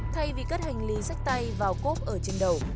thay vì cất hành lý sách tay vào cốp ở trên đầu